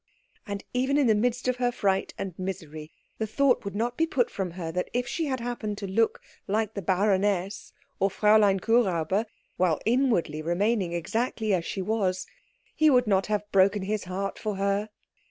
And even in the midst of her fright and misery the thought would not be put from her that if she had happened to look like the baroness or Fräulein Kuhräuber, while inwardly remaining exactly as she was, he would not have broken his heart for her.